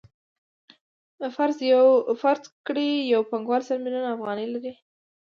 فرض کړئ یو پانګوال سل میلیونه افغانۍ لري